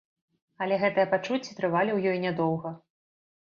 Але гэтыя пачуцці трывалі ў ёй нядоўга.